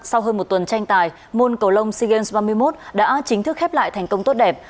sau hơn một tuần tranh tài môn cầu lông sea games ba mươi một đã chính thức khép lại thành công tốt đẹp